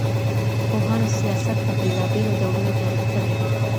پوهانو سياست په بېلابېلو ډولونو تعريف کړی دی.